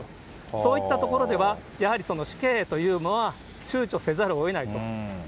そういったところではやはり死刑というのはちゅうちょせざるをえないと。